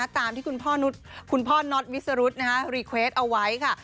ตามที่คุณพ่อนนท์วิสรุศเนี่ยรีเกวร์ตเอาไว้ค่ะ